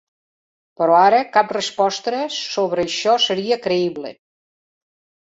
Però ara cap resposta sobre això seria creïble.